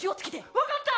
分かった。